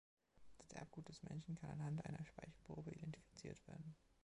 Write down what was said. Das Erbgut des Menschen kann anhand einer Speichelprobe identifiziert werden.